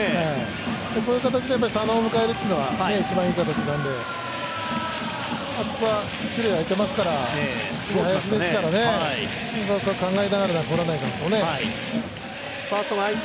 こういう形で佐野を迎えるというのは、一番いい形なので、ここは一塁あいてますから次、林ですからね考えながら放らないといけないですね。